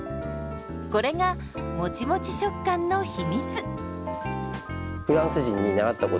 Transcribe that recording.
これがもちもち食感の秘密。